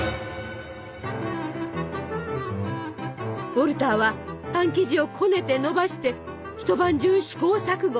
ウォルターはパン生地をこねてのばして一晩中試行錯誤。